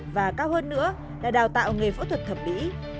và cao hơn nữa là đào tạo nghề phẫu thuật thẩm mỹ